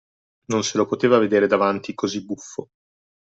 Non se lo poteva vedere davanti così buffo.